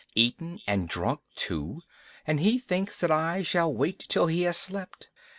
Eaten and drunk too, and he thinks that I shall wait till he has slept!